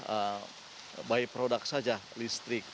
itu sebagai by product saja listrik